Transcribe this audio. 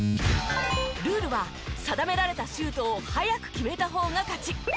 ルールは定められたシュートを早く決めた方が勝ち。